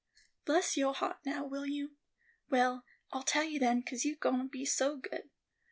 "Bless yo heart now, will you? Well, I'll tell you then, 'cause yo goin' to be so good.